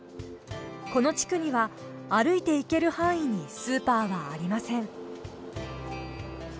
この地区には歩いて行ける範囲にスーパーはありません。